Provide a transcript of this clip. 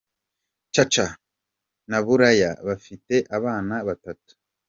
Chacha na Buraya bafite abana batatu.